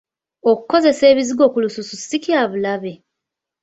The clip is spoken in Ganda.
Okukozesa ebizigo ku lususu ssi kya bulabe?